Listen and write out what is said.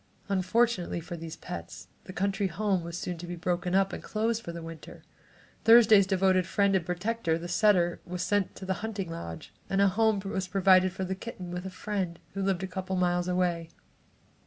Unfortunately for these pets, the country home was soon to be broken up and closed for the winter. Thursday's devoted friend and protector, the setter, was sent to the hunting lodge, and a home was provided for the kitten with a friend who lived only a couple of miles away.